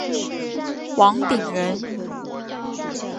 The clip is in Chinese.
王鼎人。